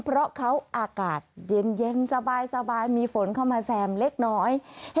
เพราะเขาอากาศเย็นสบายมีฝนเข้ามาแซมเล็กน้อย